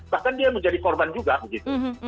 bahkan dia menjadi korban juga begitu